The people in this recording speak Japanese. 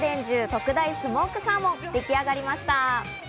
特大スモークサーモン、出来上がりました。